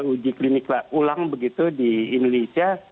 uji klinik ulang begitu di indonesia